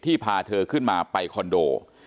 พาเธอขึ้นมาไปคอนโด